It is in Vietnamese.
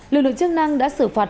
lượng lượng chức năng đã xử phạt